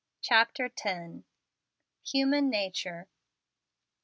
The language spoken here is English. CHAPTER X HUMAN NATURE.